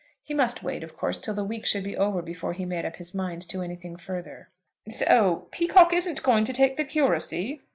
He must wait, of course, till the week should be over before he made up his mind to anything further. "So Peacocke isn't going to take the curacy?"